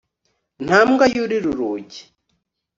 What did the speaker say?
nta mbwa yurira urugi